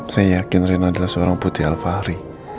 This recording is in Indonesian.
saya yakin reyna adalah seorang putri alfahri